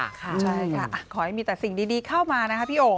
ใช่ค่ะขอให้มีแต่สิ่งดีเข้ามานะคะพี่โอ๋